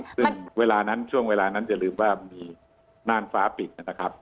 ซึ่งเวลานั้นช่วงเวลานั้นอย่าลืมว่ามีน่านฟ้าปิดนะครับ